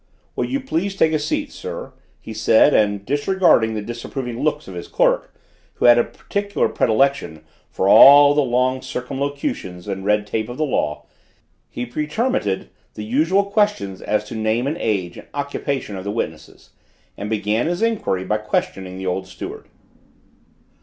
"Will you please take a seat, sir?" he said and, disregarding the disapproving looks of his clerk, who had a particular predilection for all the long circumlocutions and red tape of the law, he pretermitted the usual questions as to name and age and occupation of the witnesses, and began his enquiry by questioning the old steward.